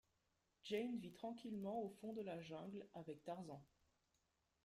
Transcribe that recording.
Jane vit tranquillement au fond le la jungle avec Tarzan.